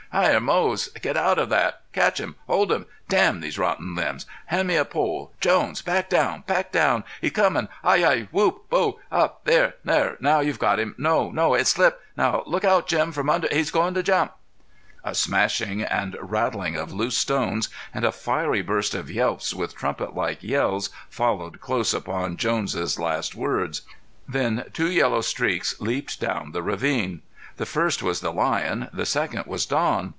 "Hyar Moze get out of that. Catch him hold him! Damn these rotten limbs. Hand me a pole Jones, back down back down! he's comin' Hi! Hi! Whoop! Boo o! There now you've got him! No, no; it slipped! Now! Look out, Jim, from under he's going to jump!" A smashing and rattling of loose stones and a fiery burst of yelps with trumpet like yells followed close upon Jones' last words. Then two yellow streaks leaped down the ravine. The first was the lion, the second was Don.